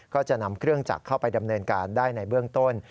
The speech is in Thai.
ก็จะนำเครื่องจักรเข้าไปดำเนินการได้ในเบื้องต้น